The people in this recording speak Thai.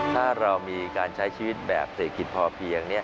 ถ้าเรามีการใช้ชีวิตแบบเศรษฐกิจพอเพียง